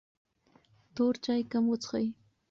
تور چای کم وڅښئ.